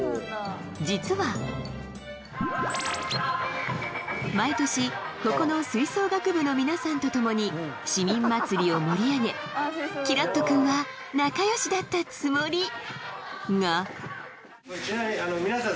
実は毎年ここの吹奏楽部の皆さんと共に市民まつりを盛り上げきらっと君は仲よしだったつもりがちなみに皆さん